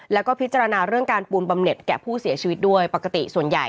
แล้วก็พิจารณาเรื่องการปูนบำเน็ตแก่ผู้เสียชีวิตด้วยปกติส่วนใหญ่